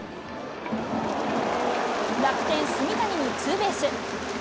楽天、炭谷にツーベース。